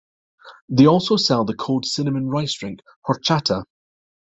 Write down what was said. They also sell the cold cinnamon rice drink horchata.